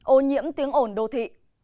ô nhiễm tiếng ổn đô thị